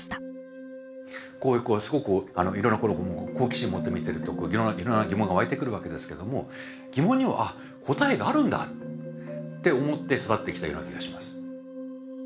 こういうすごくいろんなところを好奇心持って見てるといろんな疑問が湧いてくるわけですけども疑問にはああ答えがあるんだって思って育ってきたような気がします。